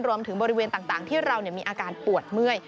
รวมถึงบริเวณต่างที่เรามีอาการปวดเมื่อย